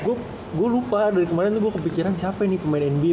gue lupa dari kemaren gue kepikiran siapa nih pemain nba